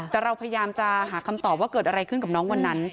แต่เราพยายามจะหาคำตอบว่าเกิดอะไรขึ้นกับน้องวันนั้น